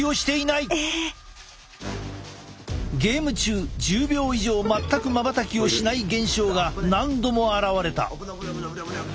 ゲーム中１０秒以上全くまばたきをしない現象が何度も現れた。